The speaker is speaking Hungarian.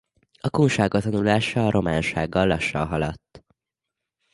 A kunság azonosulása a románsággal lassan haladt.